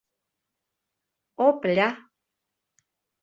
Оп-ля!